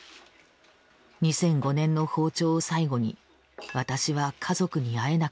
２００５年の訪朝を最後に私は家族に会えなくなった。